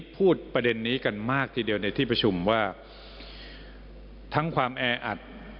พูดประเด็นนี้กันมากทีเดียวในที่ประชุมว่าทั้งความแออัด